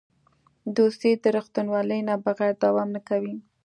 دوستي د رښتینولۍ نه بغیر دوام نه کوي.